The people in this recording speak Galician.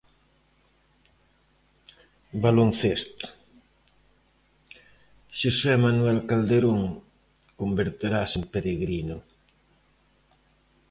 Baloncesto: Jose Manuel Calderón converterase en peregrino.